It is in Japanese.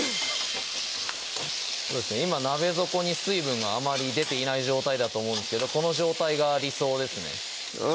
今鍋底に水分があまり出ていない状態だと思うんですがこの状態が理想ですねよ